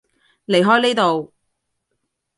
離開呢度